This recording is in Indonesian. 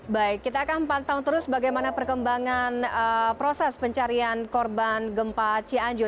baik kita akan pantau terus bagaimana perkembangan proses pencarian korban gempa cianjur